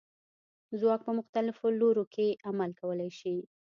ځواک په مختلفو لورو کې عمل کولی شي.